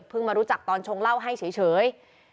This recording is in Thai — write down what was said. เพิ่งมารู้จักตอนชงเล่าให้เฉย